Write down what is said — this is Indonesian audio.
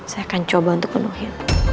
saya akan coba untuk penuhi